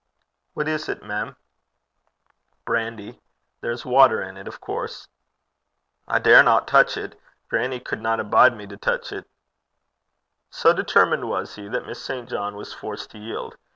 'What is 't, mem?' 'Brandy. There's water in it, of course.' 'I daurna touch 't. Grannie cudna bide me to touch 't,' So determined was he, that Miss St. John was forced to yield.